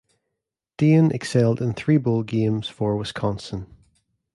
Dayne excelled in three bowl games for Wisconsin.